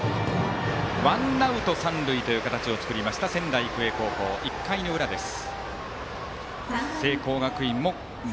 ワンアウト三塁という形を作った仙台育英高校１回の裏です。